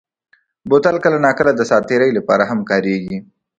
بوتل کله ناکله د ساعت تېرۍ لپاره هم کارېږي.